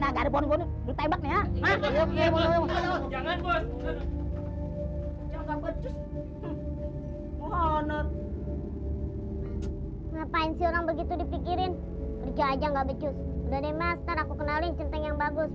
ya udah udah begitu dipikirin aja nggak becus udah deh mas aku kenalin centeng yang bagus